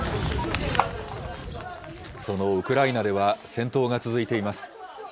そのウクライナでは、戦闘が続いています。